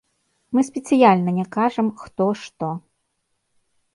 Мы спецыяльна не кажам, хто што.